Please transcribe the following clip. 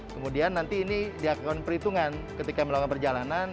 kemudian nanti ini di akan perhitungan ketika melakukan perjalanan